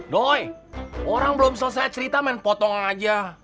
doy orang belum selesai cerita main potong aja